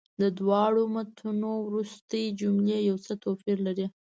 د دواړو متونو وروستۍ جملې یو څه توپیر لري.